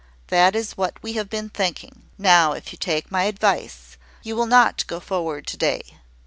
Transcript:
That is what we have been thinking. Now, if you take my advice, you will not go forward to day.